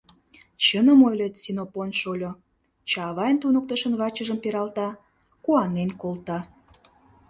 — Чыным ойлет, Синопон шольо, — Чавайн туныктышын вачыжым пералта, куанен колта.